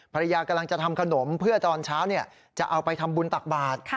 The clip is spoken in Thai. ภรรยากำลังจะทำขนมเพื่อตอนเช้าจะเอาไปทำบุญตักบาท